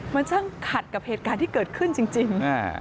มันช่างขัดกับเหตุการณ์ที่เกิดขึ้นจริง